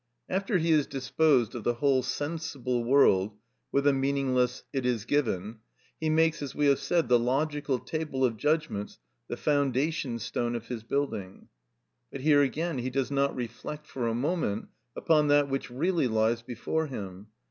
After he has disposed of the whole sensible world with the meaningless "it is given," he makes, as we have said, the logical table of judgments the foundation stone of his building. But here again he does not reflect for a moment upon that which really lies before him.